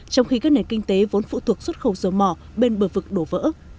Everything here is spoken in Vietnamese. trong khi các nền kinh tế vốn phụ thuộc xuất khẩu dầu mỏ bên bờ vực đổ vỡ